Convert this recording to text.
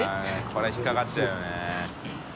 これ引っかかっちゃうよね。